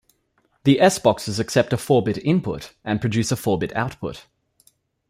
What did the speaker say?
The S-boxes accept a four-bit input and produce a four-bit output.